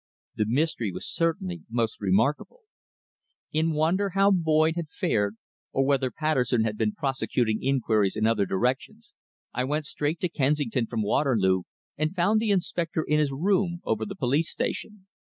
The mystery was certainly most remarkable. In wonder how Boyd had fared, or whether Patterson had been prosecuting inquiries in other directions, I went straight to Kensington from Waterloo, and found the inspector in his room over the police station.